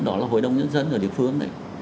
đó là hội đồng nhân dân ở địa phương đấy